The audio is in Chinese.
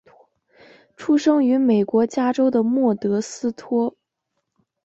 出生于美国加州的莫德斯托。